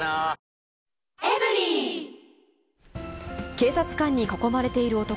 警察官に囲まれている男。